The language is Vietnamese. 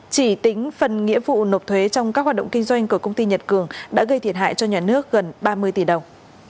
chỉ tính phần nghĩa vụ nộp thuế trong các hoạt động kinh doanh của công ty nhật cường đã gây thiệt hại cho nhà nước gần ba mươi tỷ đồng